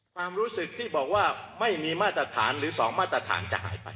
ความรู้สึกที่บอกว่าไม่มีมาตรฐานหรือ๒มาตรฐานจะหายไป